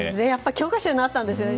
教科書になったんですね。